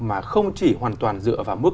mà không chỉ hoàn toàn dựa vào mức